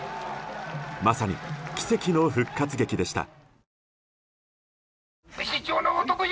まさに奇跡の復活劇でした。